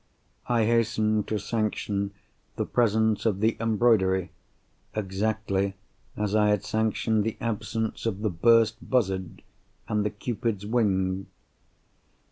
I hastened to sanction the presence of the embroidery, exactly as I had sanctioned the absence of the burst buzzard and the Cupid's wing.